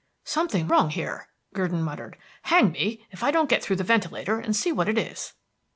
"Something wrong here," Gurdon muttered. "Hang me if I don't get through the ventilator and see what it is."